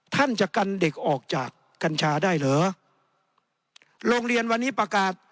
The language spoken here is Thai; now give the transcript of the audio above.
ท่านจะกันเด็กออกจากกัญชาได้เหรอโรงเรียนวันนี้ประกาศ